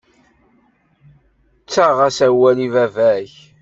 Ttaɣ-as awal i baba-k.